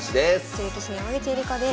女流棋士の山口恵梨子です。